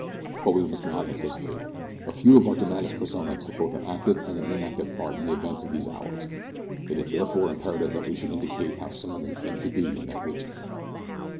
But we must not anticipate. A few of our dramatis personae took both an active and an inactive part in the events of these hours. It is therefore imperative that we should indicate how some of them came to be in that region.